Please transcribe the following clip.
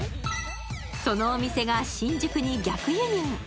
そのお店が新宿に逆輸入。